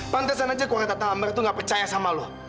pantesan aja keluarga tante ambar tuh gak percaya sama lu